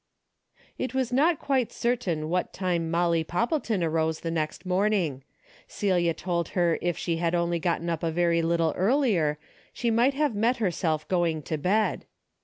It is not quite certain what time Molly Poppleton arose the next morning. Celia DAILY RATE: > 1G7 told her if she had only gotten up a very little earlier, she might have met herself going to bed.